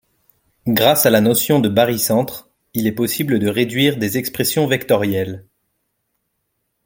Grâce à la notion de barycentre, il est possible de réduire des expressions vectorielles.